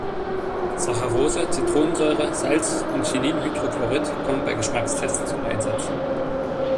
Saccharose, Zitronensäure, Salz und Chininhydrochlorid kommen bei Geschmackstests zum Einsatz.